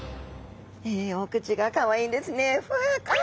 お口がかわいいんですね。